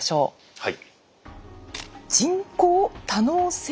はい。